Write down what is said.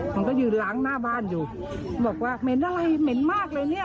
มันก็ยืนล้างหน้าบ้านอยู่บอกว่าเหม็นอะไรเหม็นมากเลยเนี่ย